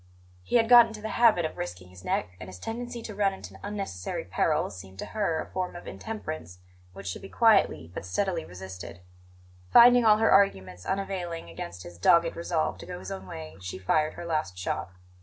He had got into the habit of risking his neck, and his tendency to run into unnecessary peril seemed to her a form of intemperance which should be quietly but steadily resisted. Finding all her arguments unavailing against his dogged resolve to go his own way, she fired her last shot.